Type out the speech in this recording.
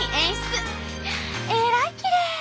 えらいきれい！